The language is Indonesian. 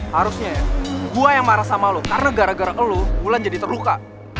harusnya ya gua yang marah sama lo karena gara gara kelu mulan jadi terluka